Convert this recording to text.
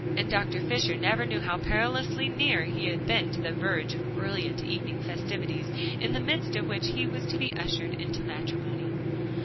And Dr. Fisher never knew how perilously near he had been to the verge of brilliant evening festivities, in the midst of which he was to be ushered into matrimony.